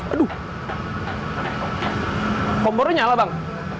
aduh kompornya nyala bang